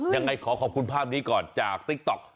ยังไงขอขอบคุณภาพนี้ก่อนจากติ๊กต๊อก